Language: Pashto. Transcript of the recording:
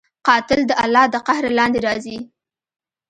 قاتل د الله د قهر لاندې راځي